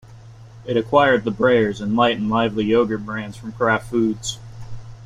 It acquired the Breyers and Light 'N Lively yoghurt brands from Kraft Foods.